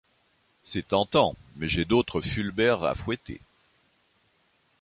C'est tentant mais j'ai d'autres Fulbert à fouetter.